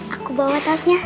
aku bawa tasnya